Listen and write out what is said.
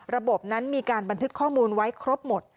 ระบบนั้นมีการบันทึกข้อมูลไว้ครบหมด